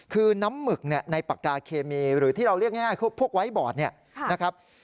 คือน้ำหมึกในปากกาเคมีหรือที่เราเรียกง่ายคือพวกไว้บอร์ดเนี่ยนะครับ